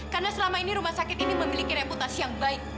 karena selama ini rumah sakit ini memiliki reputasi yang baik